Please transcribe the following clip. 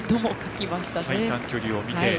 最短距離を見て。